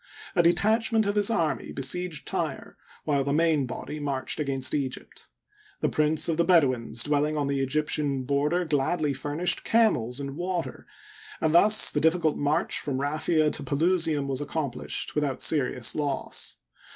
A detachment of his army besieged Tyre, while the main body marched against Egypt, The prince of the Bedouins dwelling on the Egyptian border gladly furnished camels and water, and thus the difficult march from Raphia to Pelusium was accomplished without seri ous loss.